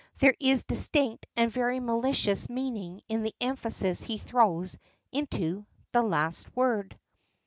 There is distinct and very malicious meaning in the emphasis he throws into the last word.